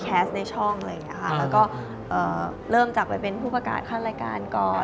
แคสต์ในช่องเลยเริ่มจากไปเป็นผู้ประกาศข้างรายการก่อน